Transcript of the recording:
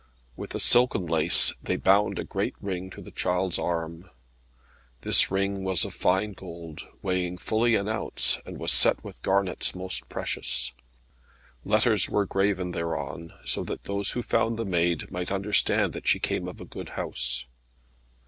With a silken lace they bound a great ring to the child's arm. This ring was of fine gold, weighing fully an ounce, and was set with garnets most precious. Letters were graven thereon, so that those who found the maid might understand that she came of a good house.